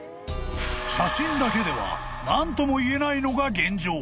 ［写真だけでは何とも言えないのが現状］